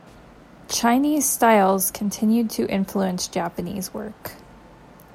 Chinese styles continued to influence Japanese work.